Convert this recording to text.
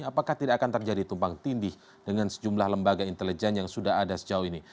apakah tidak akan terjadi tumpang tindih dengan sejumlah lembaga intelijen yang sudah ada sejauh ini